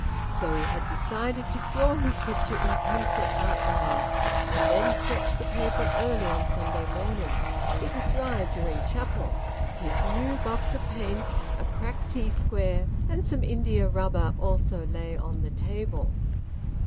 So he had decided to draw his picture in pencil outline, and then stretch the paper early on Sunday morning; it would dry during chapel. His new box of paints, a cracked T square, and some india rubber also lay on the table.